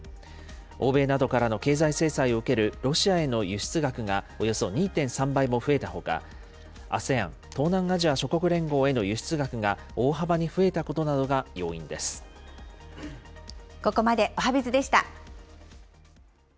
欧米などからの経済制裁を受けるロシアへの輸出額がおよそ２．３倍も増えたほか、ＡＳＥＡＮ・東南アジア諸国連合への輸出額が大幅に増えたことなここまでおはＢｉｚでした。